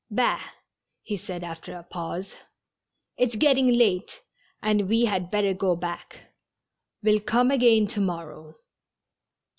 " Ball! " he said, after a pause. " It's getting late, and we had better go back. We'll come again to morrow."